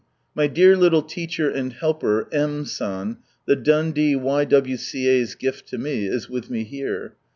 — My dear little teacher and helper, M. San, the Dundee Y.W.C.A.'s gift to me, is with me here.